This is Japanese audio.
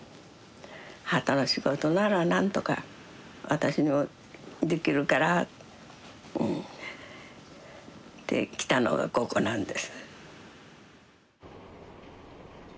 機の仕事なら何とか私にもできるから。って来たのがここなんです。